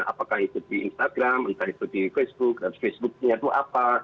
apakah itu di instagram apakah itu di facebook facebook nya tuh apa